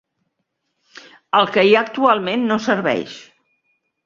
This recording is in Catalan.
El que hi ha actualment no serveix.